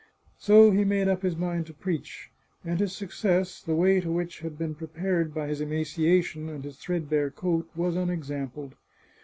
So he made up his mind to preach, and his success, the way to which had been prepared by his emaciation and his threadbare coat, was unexampled.